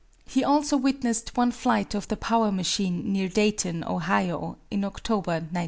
He also witnessed one flight of the power machine near Dayton, Ohio, in October, 1904.